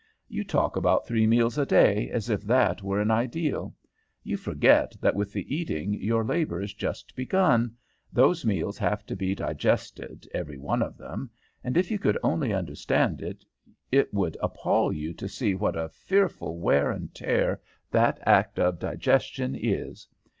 You talk about three meals a day, as if that were an ideal; you forget that with the eating your labor is just begun; those meals have to be digested, every one of 'em, and if you could only understand it, it would appall you to see what a fearful wear and tear that act of digestion is.